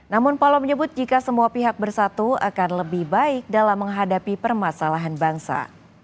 namun paloh menyebut jika semua pihak bersatu akan lebih baik dalam menghadapi permasalahan bangsa